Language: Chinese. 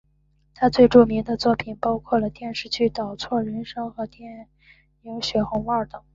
他最著名的作品包括了电视剧倒错人生和电影血红帽等。